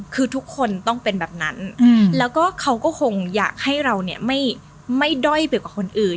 คือทุกคนต้องเป็นแบบนั้นแล้วก็เขาก็คงอยากให้เราเนี่ยไม่ด้อยไปกว่าคนอื่น